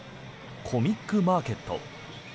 コミックマーケット。